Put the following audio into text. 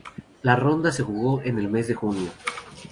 La ronda se jugó en el mes de junio.